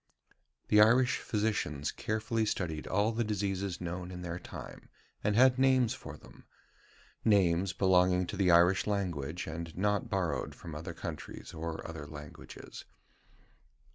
The Irish physicians carefully studied all the diseases known in their time, and had names for them names belonging to the Irish language, and not borrowed from other countries or other languages.